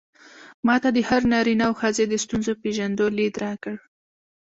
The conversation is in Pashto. ما ته د هر نارينه او ښځې د ستونزو د پېژندو ليد راکړ.